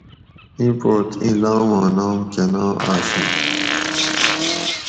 اِیں پت اِیں لام آں نام کۤنا آشئ